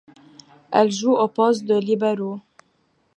Elle joue au poste de libero.